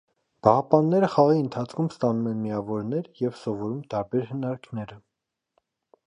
Պահապանները խաղի ընթացքում ստանում են միավորներ և սովորում տարբեր հնարքները։